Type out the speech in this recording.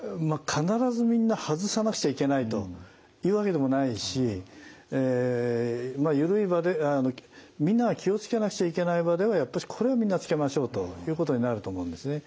必ずみんな外さなくちゃいけないというわけでもないし緩い場でみんなが気をつけなくちゃいけない場ではやっぱしこれはみんなつけましょうということになると思うんですね。